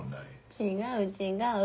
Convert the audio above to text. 違う違う。